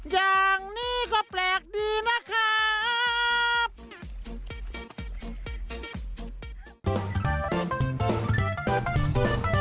อย่างนี้ก็แปลกดีนะครับ